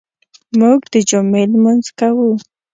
موږ د جمعې لمونځ کوو.